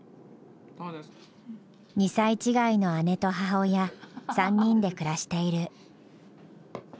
２歳違いの姉と母親、３人で暮らしている。